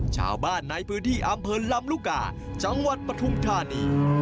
ชาวบ้านในพื้นที่อำเภอลำลูกกาจังหวัดปฐุมธานี